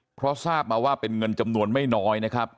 เพราะทราบมาว่าเป็นเงินจำนวนไม่น้อยนะครับ